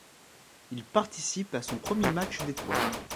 Il participe à son premier match d'étoiles.